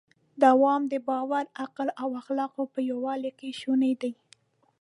دوام د باور، عقل او اخلاقو په یووالي کې شونی دی.